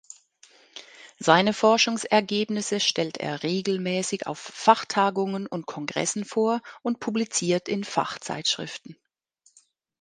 Seine Forschungsergebnisse stellt er regelmäßig auf Fachtagungen und Kongressen vor und publiziert in Fachzeitschriften.